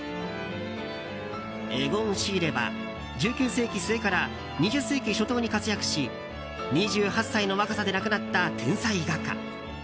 エゴン・シーレは１９世紀末から２０世紀初頭に活躍し２８歳の若さで亡くなった天才画家。